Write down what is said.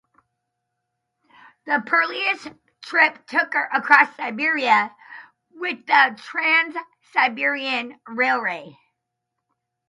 The perilous trip took her across Siberia with the Trans-Siberian Railway.